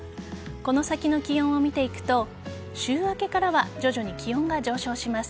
この先の気温を見ていくと週明けからは徐々に気温が上昇します。